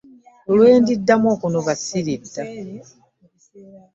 Lwe ndiddamu okunoba ssiridda.